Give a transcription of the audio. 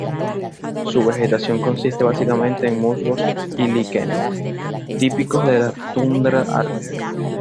Su vegetación consiste básicamente en musgos y líquenes típicos de la tundra ártica.